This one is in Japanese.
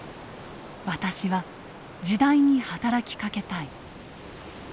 「私は時代に働きかけたい」。